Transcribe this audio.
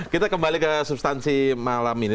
kita kembali ke substansi malam ini